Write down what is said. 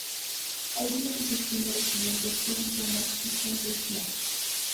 Algunos de sus primeros clientes fueron Thomas y Heinrich Mann.